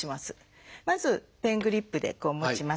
まずペングリップで持ちます。